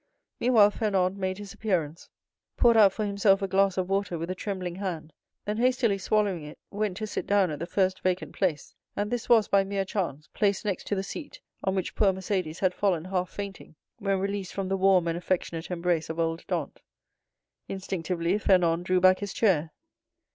Meanwhile Fernand made his appearance, poured out for himself a glass of water with a trembling hand; then hastily swallowing it, went to sit down at the first vacant place, and this was, by mere chance, placed next to the seat on which poor Mercédès had fallen half fainting, when released from the warm and affectionate embrace of old Dantès. Instinctively Fernand drew back his chair.